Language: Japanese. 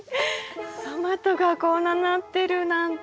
トマトがこんななってるなんて。